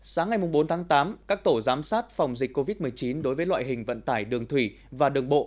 sáng ngày bốn tháng tám các tổ giám sát phòng dịch covid một mươi chín đối với loại hình vận tải đường thủy và đường bộ